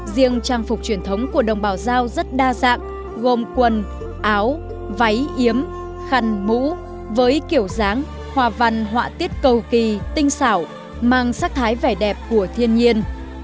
riêng trang phục truyền thống của đồng bào giao rất đa dạng gồm quần áo váy yếm khăn mũ với kiểu dáng hòa văn họa tiết cầu kỳ tinh xảo mang sắc thái vẻ đẹp của thiên nhiên